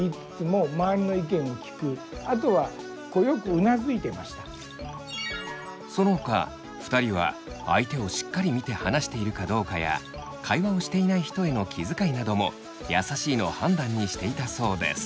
あとはそのほか２人は相手をしっかり見て話しているかどうかや会話をしていない人への気遣いなども優しいの判断にしていたそうです。